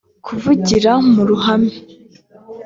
kuvugira mu ruhame